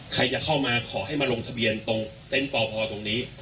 ใครจะเข้ามาขอให้มาลงทะเบียนตรงเต็นต์ปพตรงนี้